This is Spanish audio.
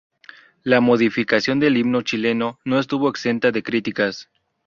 La modificación del himno chileno no estuvo exenta de críticas.